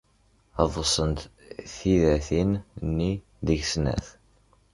Ḍḍsent tiḍatin-nni deg snat.